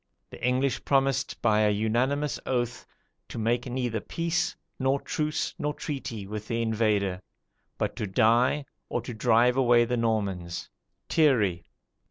The English promised by a unanimous oath, to make neither peace, nor truce nor treaty, with the invader, but to die, or drive away the Normans." [Thierry.